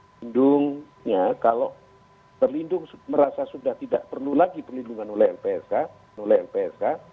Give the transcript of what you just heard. terlindungnya kalau terlindung merasa sudah tidak perlu lagi perlindungan oleh lpsk